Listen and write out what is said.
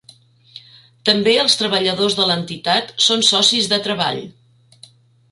També els treballadors de l'entitat són socis de treball.